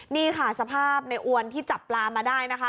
นี่ค่ะสภาพในอวนที่จับปลามาได้นะคะ